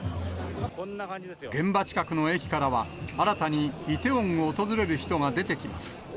現場近くの駅からは、新たにイテウォンを訪れる人が出てきます。